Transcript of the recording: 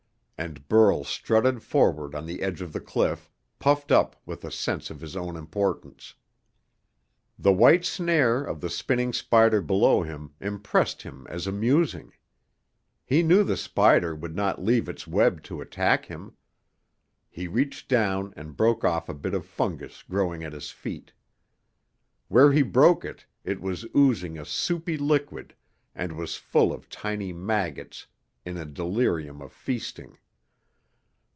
And Burl strutted forward on the edge of the cliff, puffed up with a sense of his own importance. The white snare of the spinning spider below him impressed him as amusing. He knew the spider would not leave its web to attack him. He reached down and broke off a bit of fungus growing at his feet. Where he broke it, it was oozing a soupy liquid and was full of tiny maggots in a delirium of feasting.